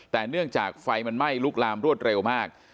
แต่เนื่องจากไฟมันไหม้ลุกลามรวดเร็วมาก